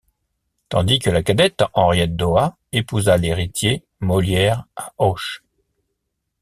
Tandis que la cadette Henriette Doat, épousa l'héritier Mollière à Auch.